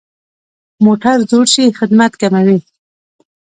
موټر زوړ شي، خدمت کموي.